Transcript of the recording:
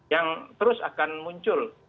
yang terus akan muncul